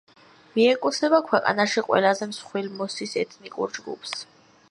მიეკუთვნება ქვეყანაში ყველაზე მსხვილ მოსის ეთნიკურ ჯგუფს.